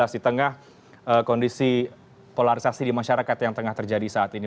di tengah kondisi polarisasi di masyarakat yang tengah terjadi saat ini